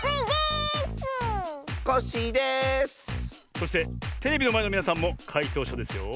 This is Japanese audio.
そしてテレビのまえのみなさんもかいとうしゃですよ。